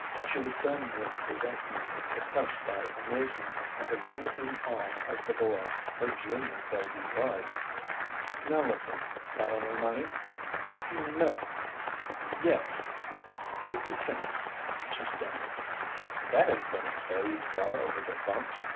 She was dumb with resentment, oppressed by amazement and a little in awe of the boy, her junior though he was. "Now, lis'en: got any money?" "No yes fifty cents," she stammered. "That ain't goin' to carry you far over the bumps.